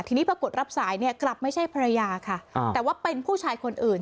ทีนี้ปรากฏรับสายเนี่ยกลับไม่ใช่ภรรยาค่ะแต่ว่าเป็นผู้ชายคนอื่น